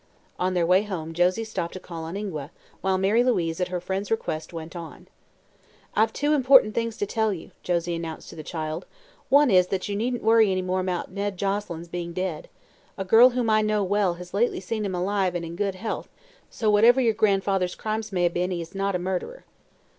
On their way home Josie stopped to call on Ingua, while Mary Louise, at her friend's request, went on. "I've two important things to tell you," Josie announced to the child. "One is that you needn't worry any more about Ned Joselyn's being dead. A girl whom I know well has lately seen him alive and in good health, so whatever your grandfather's crimes may have been he is not a murderer."